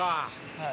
はい。